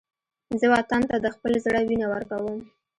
زه وطن ته د خپل زړه وینه ورکوم